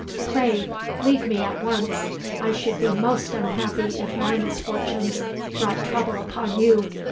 Pray leave me at once. I should be most unhappy if my misfortunes brought trouble upon you.